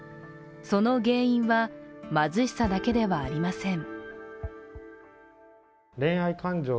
その原因は、貧しさだけではありません。